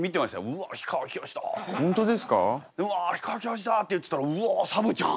「うわ氷川きよしだ」って言ってたら「うわサブちゃん！」